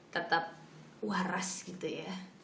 tetap waras gitu ya